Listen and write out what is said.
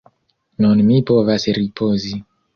Nun mi povas ripozi.